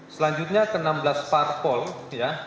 selanjutnya ke enam belas parpol ya